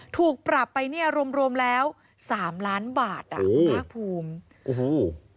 ถูกปรับไปรวมแล้ว๓ล้านบาทนักภูมิ